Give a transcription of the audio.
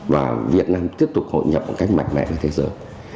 và việt nam tiếp tục hội nhập một cách mạnh mẽ với thế giới